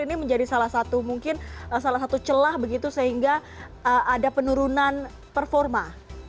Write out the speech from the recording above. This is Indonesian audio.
ini menjadi salah satu celah sehingga ada penurunan performa